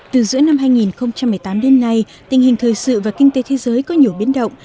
từ giữa năm hai nghìn một mươi tám đến nay tình hình thời sự và kinh tế thế giới có nhiều biến động